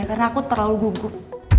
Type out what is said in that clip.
karena aku terlalu gugup